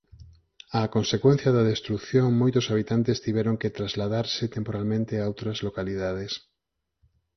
Á consecuencia da destrución moitos habitantes tiveron que trasladarse temporalmente a outras localidades.